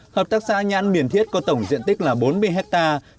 hợp tác xã nhãn miền thiết có tổng diện tích là bốn mươi hectare